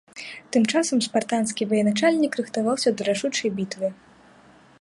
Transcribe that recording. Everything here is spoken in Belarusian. Тым часам спартанскі военачальнік рыхтаваўся да рашучай бітвы.